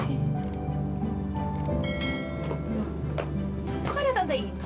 ini ada apa sih